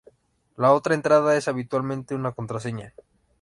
La otra entrada es habitualmente una contraseña.